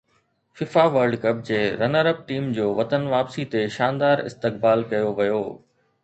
FIFA World Cup جي runner up team جو وطن واپسي تي شاندار استقبال ڪيو ويو